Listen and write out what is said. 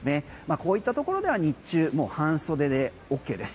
こういったところでは日中、もう半袖でＯＫです。